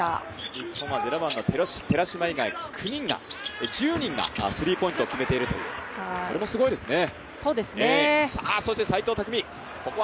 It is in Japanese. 日本は寺嶋以外１０人がスリーポイントを決めているという、これもすごいですね。